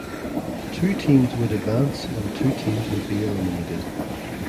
Two teams would advance and two teams would be eliminated.